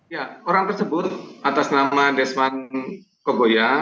ya orang tersebut atas nama desman koboya